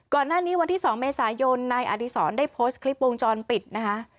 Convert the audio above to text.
ก่อนหน้านี้วันที่๒เมษายนนายอดีศรได้โพสต์คลิปวงจรปิดนะคะ